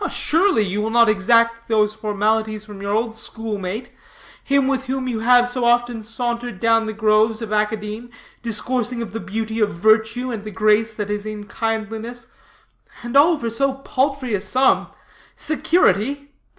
"Surely, you will not exact those formalities from your old schoolmate him with whom you have so often sauntered down the groves of Academe, discoursing of the beauty of virtue, and the grace that is in kindliness and all for so paltry a sum. Security?